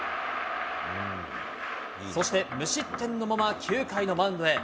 そして、無失点のまま９回のマウンドへ。